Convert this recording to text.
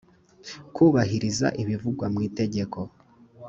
kubahiriza ibivugwa mu itegeko